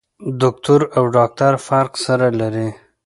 دوکتور او ډاکټر فرق سره لري.